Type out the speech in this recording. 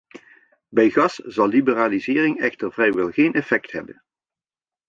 Bij gas zal liberalisering echter vrijwel geen effect hebben.